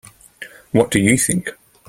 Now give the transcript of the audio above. What did you think?